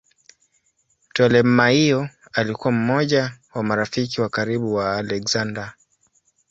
Ptolemaio alikuwa mmoja wa marafiki wa karibu wa Aleksander.